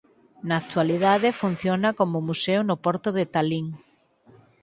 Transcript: Na actualidade funciona como museo no porto de Talín.